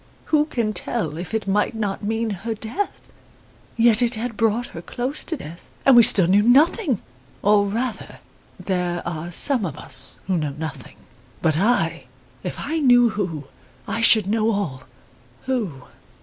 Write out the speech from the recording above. Who can tell if it might not mean her death? Yet it had brought her close to death, and we still knew nothing. Or, rather, there are some of us who know nothing. But I if I knew who, I should know all. Who?